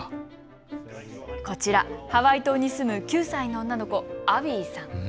こちらハワイ島に住む９歳の女の子、アビーさん。